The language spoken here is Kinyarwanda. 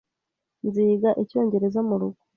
Nziga Icyongereza murugo.